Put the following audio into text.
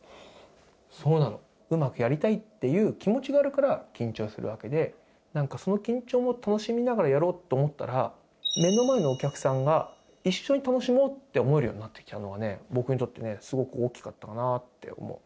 そうなの、うまくやりたいっていう気持ちがあるから緊張するわけで、なんかその緊張も楽しみながらやろうと思ったら、目の前のお客さんが一緒に楽しもうって思えるようになってきたのはね、僕にとってね、すごく大きかったかなって思う。